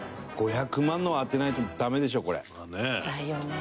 ５００万のは当てないとダメでしょこれ。だよね。